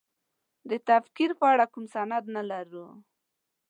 د تکفیر په اړه کوم سند نه لرو.